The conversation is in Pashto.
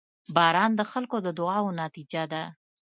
• باران د خلکو د دعاوو نتیجه ده.